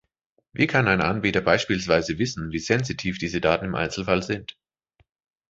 Wie kann ein Anbieter beispielsweise wissen, wie sensitiv diese Daten im Einzelfall sind?